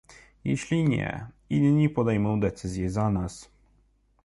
Jeśli nie, inni podejmą decyzje za nas